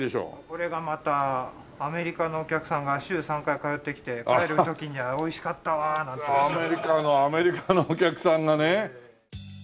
これがまたアメリカのお客さんが週３回通ってきて帰る時には「おいしかったわ」なんて。アメリカのアメリカのお客さんがね。